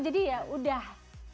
jadi ya udah